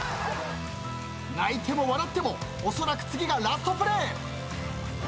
泣いても笑ってもおそらく次がラストプレー。